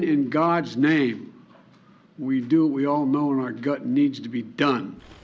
kita akan melakukan apa yang kita semua tahu dan ingin dilakukan